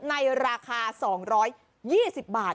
ในราคา๒๒๐บาท